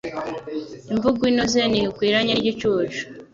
Imvugo inoze ntikwiranye n’igicucu